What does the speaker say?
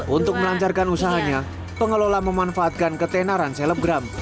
untuk melancarkan usahanya pengelola memanfaatkan ketenaran selebgram